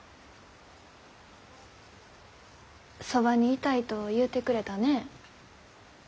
「そばにいたい」と言うてくれたね。